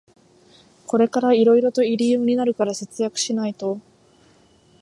これからいろいろと入用になるから節約しないと